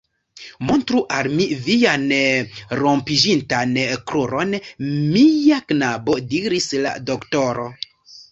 Montru al mi vian rompiĝintan kruron, mia knabo, diris la doktoro.